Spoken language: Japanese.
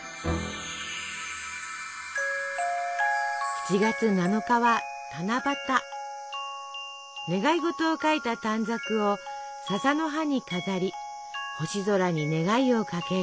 ７月７日は願い事を書いた短冊を笹の葉に飾り星空に願いをかける。